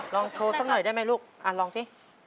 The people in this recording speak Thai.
ลองโชว์สักหน่อยได้ไหมลูกลองสิ